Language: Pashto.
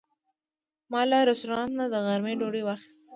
ما له رستورانت نه د غرمې ډوډۍ واخیسته.